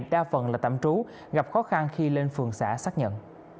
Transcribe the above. đa phần là tạm trú gặp khó khăn khi lên phường xã xác nhận